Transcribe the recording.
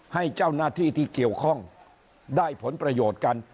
ให้เจ้าหน้าที่ที่เกี่ยวข้องได้ผลประโยชน์กัน